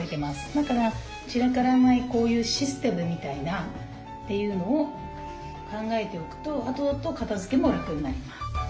だから散らからないこういうシステムみたいなっていうのを考えておくとあとあと片づけも楽になります。